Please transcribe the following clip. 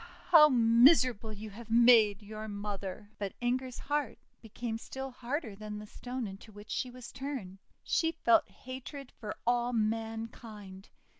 How miserable you have made your mother!' But Inger's heart became still harder than the Stone into which she was turned. She felt hatred for all mankind.